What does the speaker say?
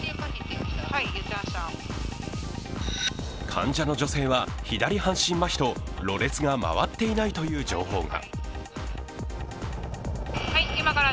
患者の女性は左半身まひとろれつが回っていないという情報が。